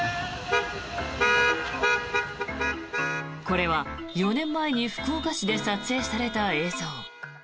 これは、４年前に福岡市で撮影された映像。